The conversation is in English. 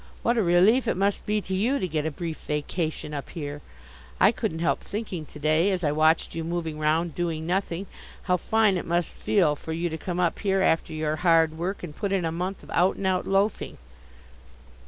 What a relief it must be to you to get a brief vacation up here. I couldn't help thinking to day, as I watched you moving round doing nothing, how fine it must feel for you to come up here after your hard work and put in a month of out and out loafing."